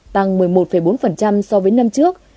tăng một mươi một bốn so với năm trước